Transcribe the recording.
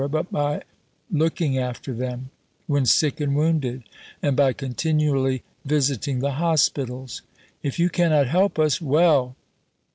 but by looking after them when sick and wounded, and by continually visiting the Hospitals.... [If you cannot help us] well!